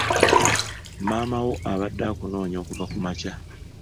Maama wo abadde akunoonya okuva kumakya.